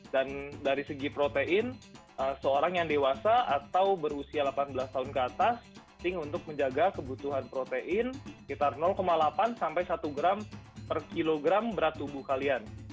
dan dari segi protein seorang yang dewasa atau berusia delapan belas tahun ke atas penting untuk menjaga kebutuhan protein sekitar delapan sampai satu gram per kilogram berat tubuh kalian